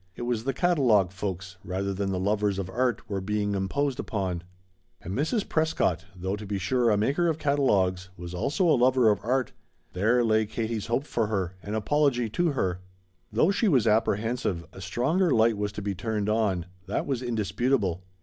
It was the catalogue folks, rather than the lovers of art, were being imposed upon. And Mrs. Prescott, though to be sure a maker of catalogues, was also a lover of art. There lay Katie's hope for her, and apology to her. Though she was apprehensive, a stronger light was to be turned on that was indisputable.